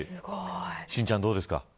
心ちゃんどうですか。